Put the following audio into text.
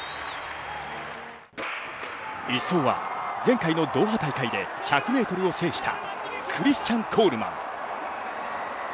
１走は前回のドーハ大会で１００ｍを制したクリスチャン・コールマン。